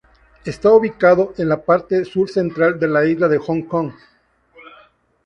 Está ubicado en la parte sur central de la isla de Hong Kong.